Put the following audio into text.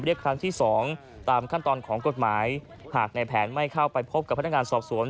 เรียกครั้งที่สองตามขั้นตอนของกฎหมายหากในแผนไม่เข้าไปพบกับพนักงานสอบสวน